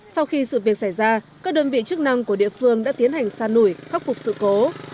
sau khi sự việc xảy ra các đơn vị chức năng của địa phương đã tiến hành sa nổi khắc phục sự cố